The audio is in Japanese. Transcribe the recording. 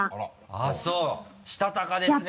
あっそうしたたかですね